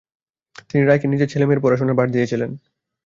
তিনি রায়কে নিজের ছেলেমেয়ের পড়াশোনার ভার দিয়েছিলেন।